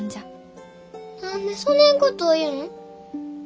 何でそねんことを言ん？